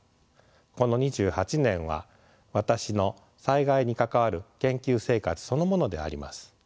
この２８年は私の災害に関わる研究生活そのものであります。